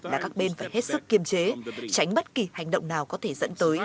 là các bên phải hết sức kiêm chế tránh bất kỳ hành động nào có thể dẫn tới